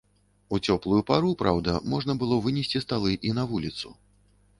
У цёплую пару, праўда, можна было вынесці сталы і на вуліцу.